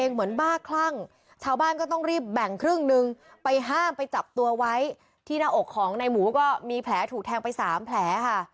หลับตัวไว้ที่หน้าอกของในหมูก็มีแผลถูกแทงไป๓แผลค่ะ